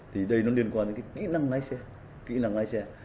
thì đây nó liên quan đến cái kỹ năng lái xe kỹ năng lái xe